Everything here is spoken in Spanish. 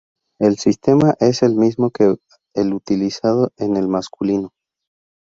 El sistema es el mismo que el utilizado en el masculino.